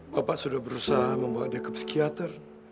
tepukstart prok itu memang marah lihat mampu emberi itu